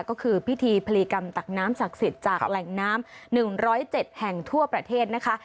ก็คือพิธีพลีกรรมตักน้ำศักดิ์สิทธิ์จากแหล่งน้ำ๑๐๗แห่งทั่วประเทศนะคะ